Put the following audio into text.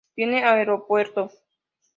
Tiene aeropuerto.